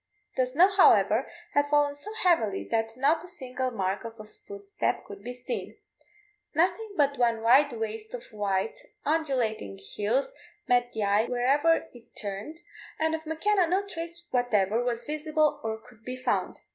The snow, however, had fallen so heavily that not a single mark of a footstep could be seen. Nothing but one wide waste of white undulating hills met the eye wherever it turned, and of M'Kenna no trace whatever was visible or could be found.